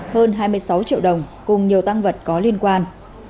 hơn hai mươi sáu triệu đồng cùng nhiều tăng vật có liên quan